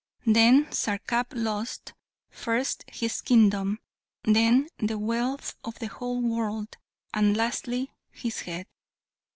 Then Sarkap lost, first his kingdom, then the wealth of the whole world, and lastly his head.